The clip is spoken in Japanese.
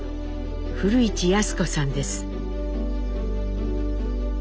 古市康子さんです。